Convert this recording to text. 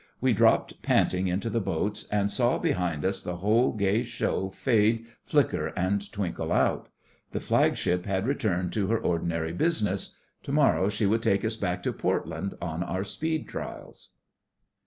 We dropped panting into the boats, and saw behind us the whole gay show fade, flicker, and twinkle out. The Flagship had returned to her ordinary business. To morrow she would take us back to Portland on our speed trials.